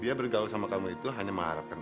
dia bergaul sama kamu itu hanya mengharapkan